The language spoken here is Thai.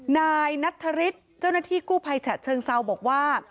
นายนัทธริสเจ้าหน้าที่กู้ภัยฉะเชิงเซาบอกว่า